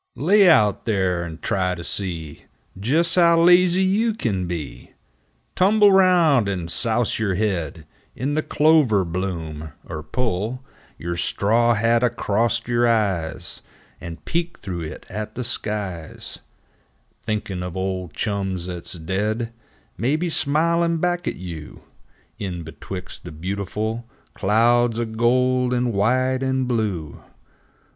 7 Lay out there and try to see Jes' how lazy you kin be ! Tumble round and souse yer head In the clover bloom, er pull Yer straw hat acrost yer eyes And peek through it at the skies, Thinkin' of old chums 'at's dead, Maybe, smilin' back at you In betwixt the 'beautiful Clouds o' gold and white and blue